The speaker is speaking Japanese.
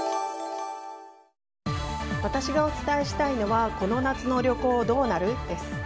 私がお伝えしたいのはこの夏の旅行どうなる？です。